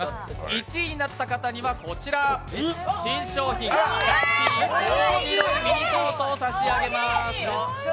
１位になった方にはこちら、新商品、ラッピーコーデュロイミニトートを差し上げます。